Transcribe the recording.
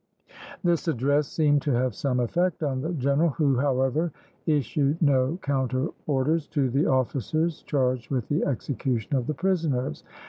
This address seemed to have some effect on the general, who, however, issued no counter orders to the officers charged with the execution of the prisoners.